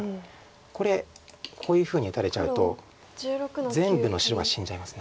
これこういうふうに打たれちゃうと全部の白が死んじゃいます。